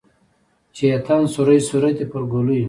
چې یې تن سوری سوری دی پر ګولیو